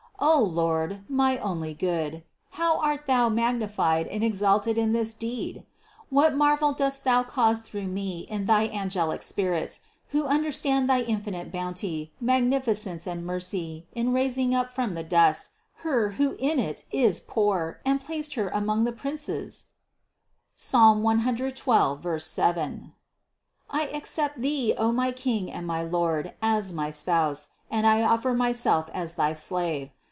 O Lord, my only Good, how art Thou magnified and exalted in this deed! What marvel dost Thou cause through me in thy angelic spirits, who understand thy infinite bounty, magnificence and THE CONCEPTION 343 mercy in raising up from the dust her who in it is poor, and placing her among the princes (Ps. 112, 7) ! I ac cept Thee, O my King and my Lord, as my Spouse and I offer myself as thy slave.